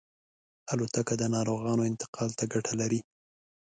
الوتکه د ناروغانو انتقال ته ګټه لري.